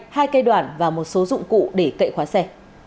hai cây đoạn và một số dụng cụ để cậy khóa xe